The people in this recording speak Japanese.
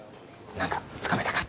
何かつかめたか？